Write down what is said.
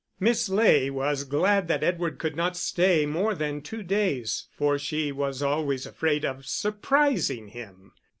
Miss Ley was glad that Edward could not stay more than two days, for she was always afraid of surprising him.